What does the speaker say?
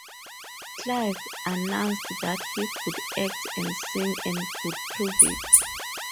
Clive, announced that he could act and sing and could prove it.